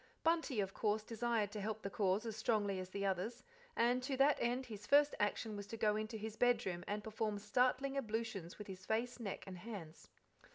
Bunty, of course, desired to help the cause as strongly as the others, and to that end his first action was to go into his bedroom and perform startling ablutions with his face, neck, and hands.